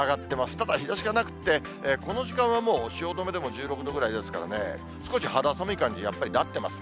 ただ日ざしがなくって、この時間はもう汐留でも１６度ぐらいですからね、少し肌寒い感じ、やっぱりなってます。